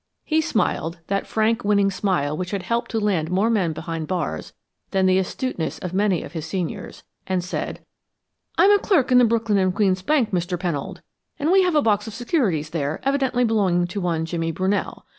He smiled that frank, winning smile which had helped to land more men behind the bars than the astuteness of many of his seniors and said: "I'm a clerk in the Brooklyn & Queens Bank, Mr. Pennold, and we have a box of securities there evidently belonging to one Jimmy Brunell.